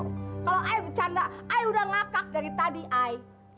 kalau ayah bercanda ayah udah ngakak dari tadi ayah